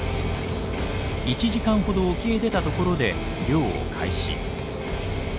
１時間ほど沖へ出たところで漁を開始。